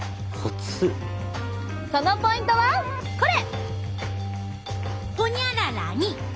そのポイントはこれ！